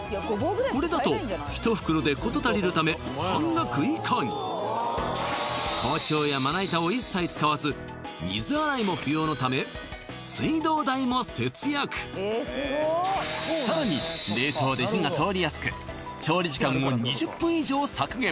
これだと１袋で事足りるため半額以下に包丁やまな板を一切使わず水洗いも不要のため水道代も節約さらに冷凍で火が通りやすく調理時間も２０分以上削減